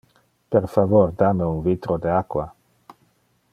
Per favor da me un vitro de aqua.